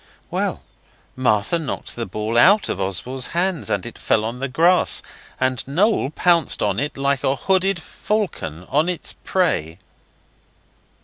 Well, Martha knocked the ball out of Oswald's hands, and it fell on the grass, and Noel pounced on it like a hooded falcon on its prey.